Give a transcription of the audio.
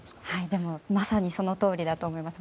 でも、まさにそのとおりだと思います。